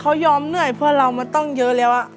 เขายอมเหนื่อยเพื่อเรามาตั้งเยอะแล้ว